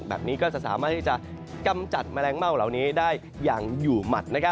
แบบนี้ก็จะสามารถที่จะกำจัดแมลงเม่าเหล่านี้ได้อย่างอยู่หมัด